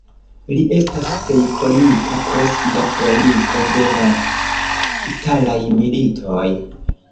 Li estas plej konita pro sia kroniko de la italaj militoj.